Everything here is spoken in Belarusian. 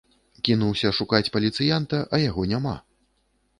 Кінуўся шукаць паліцыянта, а яго няма.